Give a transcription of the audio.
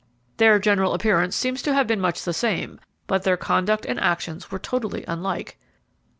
"Their general appearance seems to have been much the same, but their conduct and actions were totally unlike.